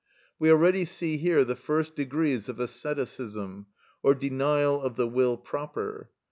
We already see here the first degrees of asceticism, or denial of the will proper.